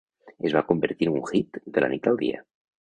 Es va convertir en un hit de la nit al dia.